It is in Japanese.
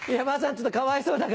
ちょっとかわいそうだから。